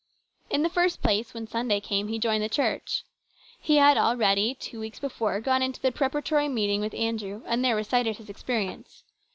In the first place, when Sunday came he joined the Church. He had already, two weeks before, gone into the preparatory meeting with Andrew and there recited his experience.